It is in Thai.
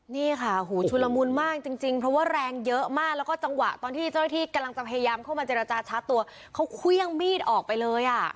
นี่ค่ะหูชุลมุนมากจริงจริงเพราะว่าแรงเยอะมากแล้วก็จังหวะตอนที่เจ้าหน้าที่กำลังจะพยายามเข้ามาเจรจาชาร์จตัวเขาเครื่องมีดออกไปเลยอ่ะ